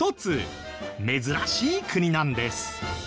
珍しい国なんです。